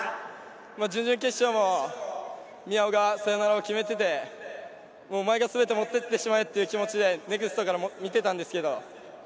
準々決勝も宮尾がサヨナラを決めていてお前がすべて持っていってしまえという気持ちでネクストから見ていたんですけど。